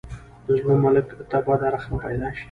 د زړه ملک ته بده رخنه پیدا شي.